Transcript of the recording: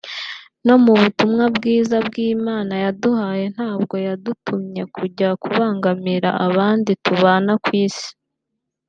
no mu butumwa bwiza bw’Imana yaduhaye ntabwo yadutumye kujya kubangamira abandi tubana ku Isi